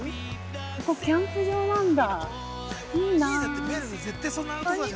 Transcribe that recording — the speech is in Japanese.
ここ、キャンプ場なんだ。